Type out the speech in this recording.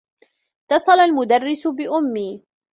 اتّصل المدرّس بأمّي.